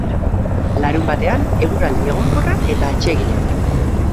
Larunbatean eguraldi egonkorra eta atsegina.